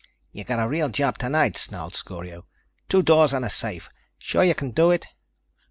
"You got a real job tonight," snarled Scorio. "Two doors and a safe. Sure you can do it?"